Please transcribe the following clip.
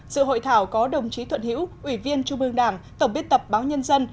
sự hội thảo có đồng chí thuận hiễu ủy viên trung ương đảng tổng biên tập báo nhân dân